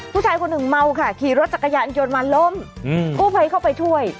ผู้ชายคนหนึ่งเมาค่ะขี่รถจักรยานยนต์มาล้มกู้ภัยเข้าไปช่วย